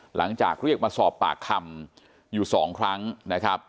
หลังจากเรียกมาสอบปากคำอยู่๒ครั้งนะครับ